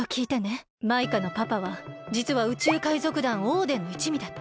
マイカのパパはじつは宇宙海賊団オーデンのいちみだった。